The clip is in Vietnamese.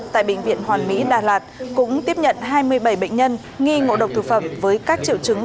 tại bệnh viện hoàn mỹ đà lạt cũng tiếp nhận hai mươi bảy bệnh nhân nghi ngộ độc thực phẩm với các triệu chứng